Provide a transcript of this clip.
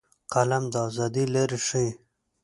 قلم د ازادۍ لارې ښيي